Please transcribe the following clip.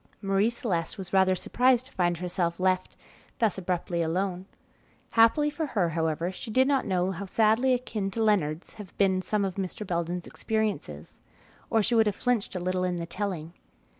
Marie Celeste was rather surprised to find herself left thus abruptly alone. Happily for her, however, she did not know how sadly akin to Leonard's had been some of Mr. Belden's experiences, or she would have flinched a little in the telling.